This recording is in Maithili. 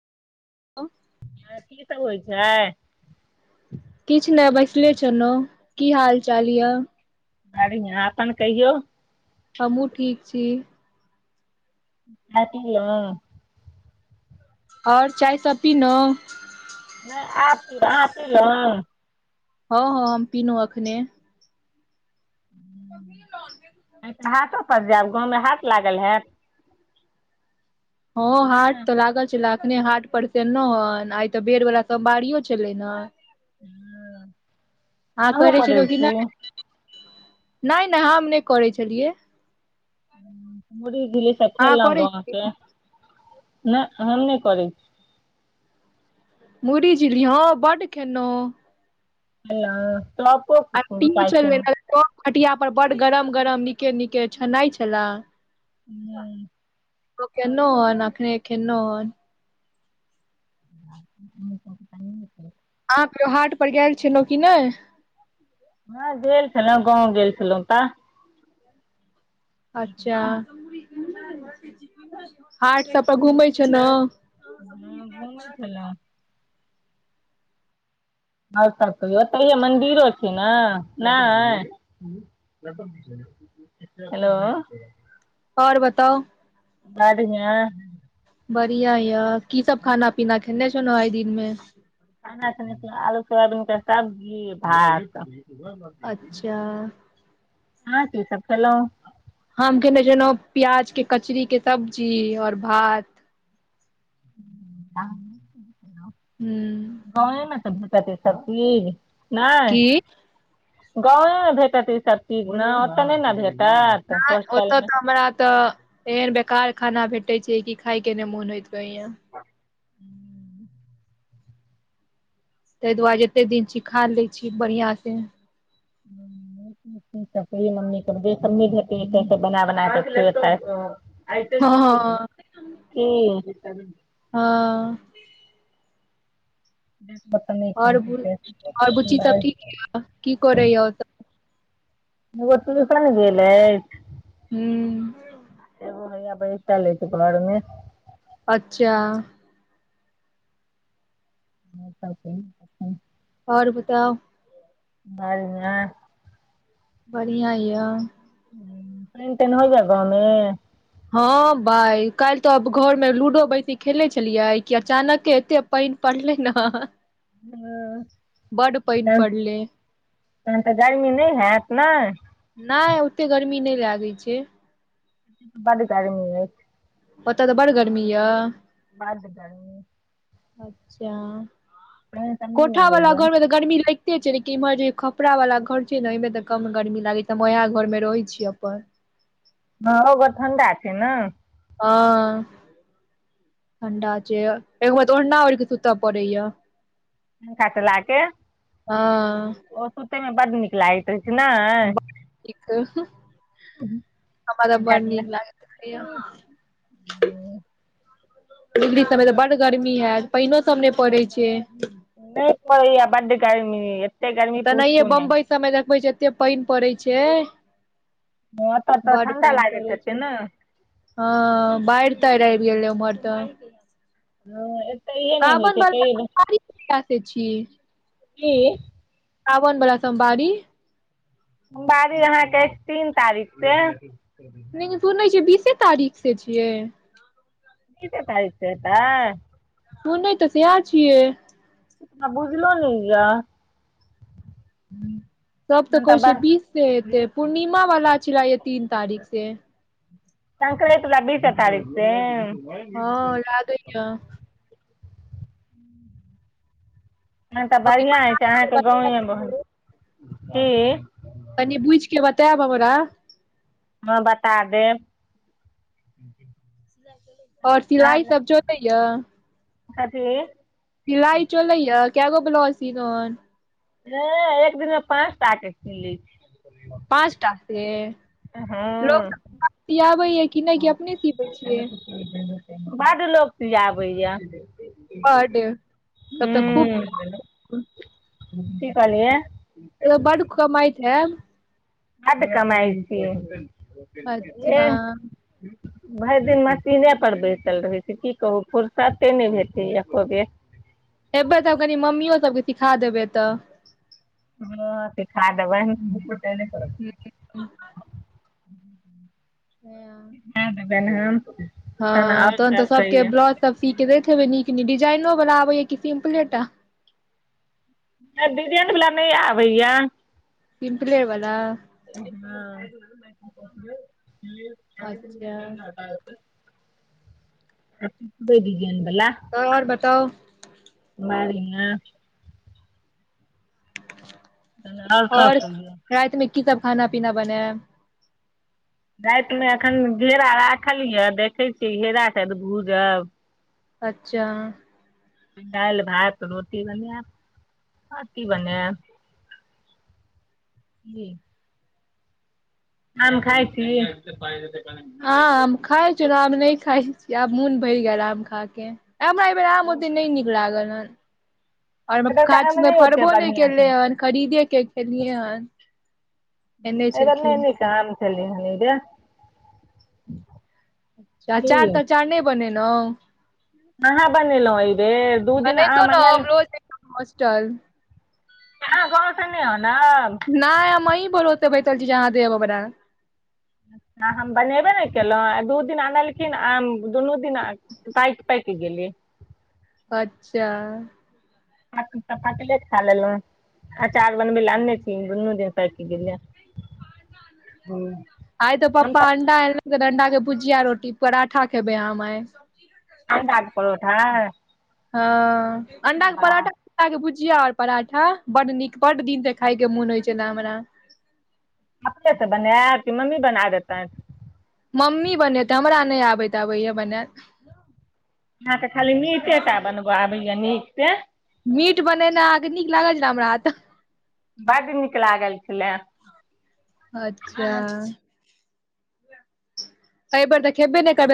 [inaudible] ह की सब होइ छै किछु नहि बैसले छलहुं की हाल चाल यए बढ़ियां आपन कहियौ हमहुँ ठीक छी [unintelligible] और चाय सब पीलौ नई आब पीब आहां पीलौ हँ हँ हम पीनहु अखने आई तऽ हाटो पर जायब गाँवमे हाट लागल हयैत हं हाट नहि तऽ लागल छलाए अखने हाट पर से एलौ हन आइ तऽ बेर् ह वला सोमबड़ियो छलै ने अहां करै छी रोजीना नई नई हम नई करै छलियै मुरही झीली साब अहाँ खेलऔ करै गाम के छियै न हम नई कराई छी मुरही झिल्ली हं बड्ड खेलौं हेलौ [unintelligible] अंतिमे छलै चप हाटिया पर बड गरम गरम नीके नीके छनई छला हूं ओ केलौं हन अखने खेलऔ हन [inaudible] अहां के हाट पर गेल छलहुँ की नहि हँ गेल छलहुँ गाँव गेल छलहुँ तऽ अच्छा हाट सब पर घुमै छैलौं हँ घुमै छला आओर सब कहियौ ओतैयो मन्दिरो छै ने नहि हेलो और बताउ बढियां बढ़ियां य की सब खाना पीना खेने छलौ आइ दिन मे खाना खेने छलौ आलू सुआबीन सब्जी भात अच्छा आहां की सब खेलऔं हम केने छलहुँ प्याज के कचरीके सब्जी और भात आ [inaudible] हूँ गाँव मे तऽ सबजी नहि की गाँव मे भेटत ई सबचीज ओते नहि ने भेटत नहि ओतऽ होस्टलमे तऽ हमरा तऽ एहन बेकार खाना भेटे छै कि खाय के नहि मोन होइत रहैया ताहि दुआरे जते दिन छी खा ले छी बढ़ियां से [inaudible] मम्मी् के बेसन नहि भेटै छै बना बना क खाय आइट भी हँ छै हं हँ बर्तन नहि आओर खाइत छै से। आओर बुच्ची सब ठीक य की करैया ओ [inaudible] एगो टुसन गेल अछि हूँ एगो हैया बैस ल अछि घरमे अच्छा ह सब [inaudible] आओर बताउ बढियां बढ़ियां य पाईन ताईन हो या गाँवमे हँ भाइ काल्हि तऽ आब घरमे लूडो बेैसी खेलैत छलियै कि अचानक एतेक पानि पड़लै ने हं बड पानि त पड़ले तहन तऽ गर्मी नहि हैत ने नहि ओते गर्मी नहि लागैत छै बड़ गर्मी अछि ओतऽ तऽ बड़ गर्मी य बद गरमी अच्छा पानि सब नहि कोठ ने वला होइया घरमे तऽ गर्मी ल गते छै लेकिन इम्हर जे खपरा वाला घर छै ने ओहिमे तऽ कम गर्मी लागैत छै हम ओएह घर मे रहै छी अपन हँ ओ घर ठण्डा छै ने हं ठंडा छै एक बे तऽ ओढ़ना ओढ़िकऽ सुतय पड़ैया पंखा च ला केे हँ ओ सुतैमे बड नीक लागैत रहै छै ने कि क हं हमरा तऽ पंखा बड़ चला नीक लागत रहैया ह नहि [unintelligible] दिल्ली सभमे तऽ बड गर्मी होयत पाइनो सब नहि पड़ैत छै नहि परैया बड गरमी तेनाहिे बंबई सबमे देखबै छै एते पानि पड़ैत छै ह ओतऽ तऽ बड ठण्डा पानि लागैत पड़ै हेतै छै ने हँ बाढ त रहै गेलल मर त हँ एतहिए नहि होइ छै तैयो बस [unintelligible] की सावन बड़ा सोमवारी सोमबारी अहाँके तीन तारीख से नहििन बीसे सुनै छियै बीसे तारीख से छियै बीसे तारिक स हेतै सुनै नै तऽ सेह छियै हमरा बुझलो ने या सब तऽ कहै छै बीस से एेते पूर्णिमा वाला छलै य तीन तारख से संकरैत बला बीसे तारिक से हँ लागै तहन त नहि तऽ बढ़ििया हय छै अहाँके गाव बहुत की कनि बुझ के बतायब हमरा हँ बता देब ओर अहाँ सिलाइ सब जोड़ै या कथी सिलाइ चोलै ह कगो ब्लाउज सीिलोन है एक दिनमे पाँच टाक सी लै पाँचटा से हँ लोकसभ सिियाबैय कि नहि कि अपने सिबै छियै बढ लोक सीआबैया बड तब तऽ खूब ह की कहलियै बड कमइतै हेब बड कमाइ भेल अच्छा भरि दिन मशीने पर बैसल रहै छै की कहू फुरसते नहि भेटै एको बेर एबै तब कनि मम्मो सबके सिखा देबै तऽ ह त खा देबै [unintelligible] ह बनहाम [unintelligible] हँ तहन तऽ सभके ब्लाउज सब सी के दैत हेबै नीक नीक डिजाइनोवला आबैया कि सिम्पले टा नहि डिजाइन बला नहि आबैए सिम्पले बला हँ अच्छा [unintelligible] सिम्पले डिजाइन बला तब आओर बताउ मारिये [unintelligible] आओर कह [unintelligible] राति मे की सब खाना पीना बनेब राति मे अखन घेरा राखल यऽ देखै छियै घेरा के भूजब अच्छा दालि भात रोटी बनेब आओर की बनेब जी आम खाइ छी [inaudible] आम खाइ छी ओना नहि खाइ छी आब मोन भरि गेल आम खा के हमरा एहि बेेर आम ओते नहि नीक लागल हन आओर एतुका काच आम मे नहि ओते फड़बो नहि बढ़िआँ छै केलै हन खरीदे के खेलियै हन एने अहिबेर नहि छलखिन नीक आम छेलै हन एहिबेर अच्छा की अंचार तचार नहि बनेलहुँ कहाँ बनेलौं अइबेर बनैतौं न हम लऽ जइतौं होस्टल [unintelligible] गाँव से नहि आनल नहि हम अहीं भरोसे बैठल छी जे अहाँ देब हमरा आ हम बनेबे नहि केलहुँ आ दू दिन अनलखिन आम दुनू दिना पाइक पाइक गेलै अच्छा [unintelligible] तु तऽ कटलेट खा लेलैं अंचार बनबै लए अनने छीन दुन्नू दिन पाकि गेलै हूंम्म आइ तऽ पप्पा अण्डा [unintelligible] एनलखिन अंडा के भुजिया रोटी पराठा खेबै हम आइ अंडा के परोठा हँ अण्डाके वाह पराठा के भुजिया आओर पराठा बड्ड नीक बड्ड दिन से खाय के मोन होइ छले हमरा अपने से बनैब की मम्मी बना देतथि मम्मी बनेतै हमरा नहि आबै ताबैय बनायल अहाँके खाली मीटे टा बनबऽ आबैया नीक सेे मीट बनेनाइ अहाँके नीक लागल रहै हमरा हाथ बड्ड नीक लागल छलै अच्छा अइ बेर तऽ खैबेने करबै